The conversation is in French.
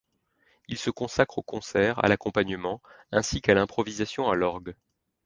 Il se consacre aux concerts, à l'accompagnement, ainsi qu'à l'improvisation à l'orgue.